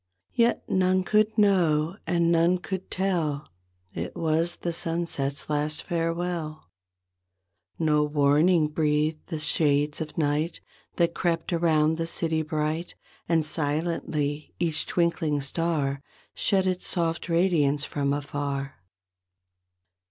Yet none could know and none could tell It was the sunset's last farewell. No warning breathed the shades of night That crept around the city bright, And silently each twinkling star Shed its soft radiance from afar.